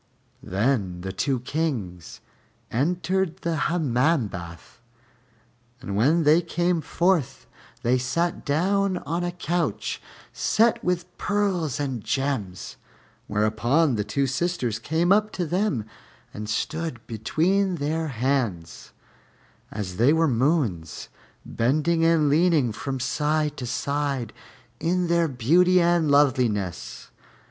Then the two Kings entered the Hammam bath, and when they came forth they sat down on a couch set with pearls and gems, whereupon the two sisters came up to them and stood between their hands, as they were moons, bending and leaning from side to side in their beauty and loveliness.